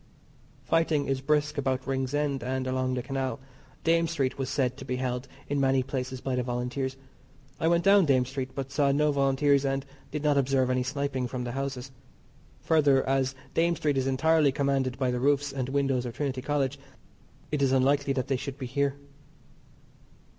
Fighting is brisk about Ringsend and along the Canal. Dame Street was said to be held in many places by the Volunteers. I went down Dame Street, but saw no Volunteers, and did not observe any sniping from the houses. Further, as Dame Street is entirely commanded by the roofs and windows of Trinity College, it is unlikely that they should be here.